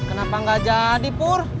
kenapa gak jadi pur